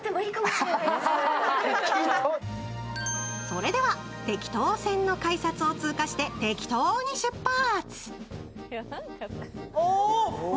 それではてきと線の改札を通過して、てきとに出発。